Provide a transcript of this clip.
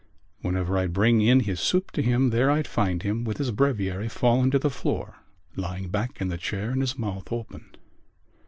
Whenever I'd bring in his soup to him there I'd find him with his breviary fallen to the floor, lying back in the chair and his mouth open."